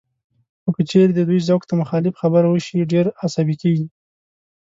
خو که چېرې د دوی ذوق ته مخالف خبره وشي، ډېر عصبي کېږي